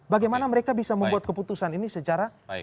bagaimana mereka bisa membuat keputusan ini secara